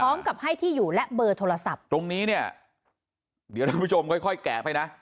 พร้อมกับให้ที่อยู่และเบอร์โทรศัพท์ตรงนี้เนี่ยเดี๋ยวท่านผู้ชมค่อยค่อยแกะไปนะ